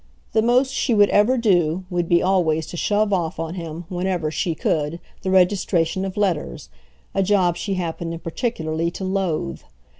The most she would ever do would be always to shove off on him whenever she could the registration of letters, a job she happened particularly to loathe.